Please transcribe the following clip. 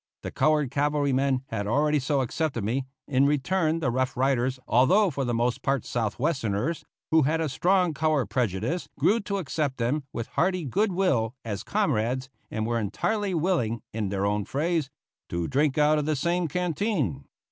The colored cavalry men had already so accepted me; in return, the Rough Riders, although for the most part Southwesterners, who have a strong color prejudice, grew to accept them with hearty good will as comrades, and were entirely willing, in their own phrase, "to drink out of the same canteen."